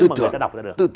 mà người ta đọc ra được